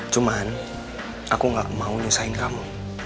cuman aku gak mau nyusain kamu